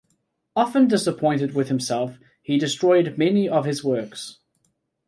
Often disappointed with himself, he destroyed many of his works.